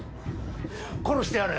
殺してやる。